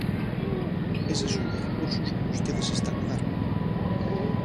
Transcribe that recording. Eses son os recursos que vostedes están a dar.